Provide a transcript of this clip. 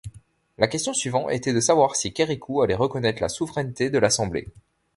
La question suivant était de savoir si Kérékou allait reconnaître la souveraineté de l’assemblée.